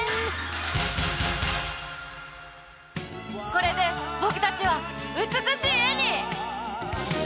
これで僕たちは美しい絵に！